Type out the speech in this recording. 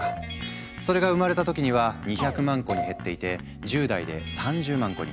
それが生まれた時には２００万個に減っていて１０代で３０万個に。